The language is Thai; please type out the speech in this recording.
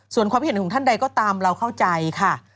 ส่วนความคิดเห็นของท่านใดก็ตามเราเข้าใจค่ะ